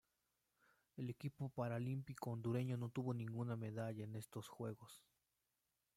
El equipo paralímpico hondureño no obtuvo ninguna medalla en estos Juegos.